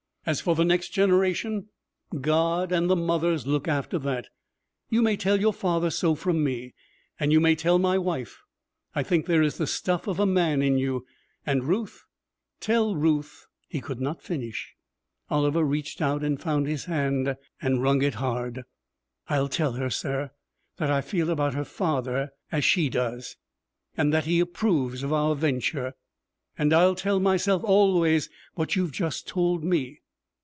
As for the next generation, God and the mothers look after that! You may tell your father so from me. And you may tell my wife I think there is the stuff of a man in you. And Ruth tell Ruth ' He could not finish. Oliver reached out and found his hand and wrung it hard. 'I'll tell her, sir, that I feel about her father as she does! And that he approves of our venture. And I'll tell myself, always, what you've just told me.